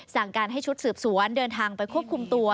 สั่งการให้ชุดสืบสวนเดินทางไปควบคุมตัว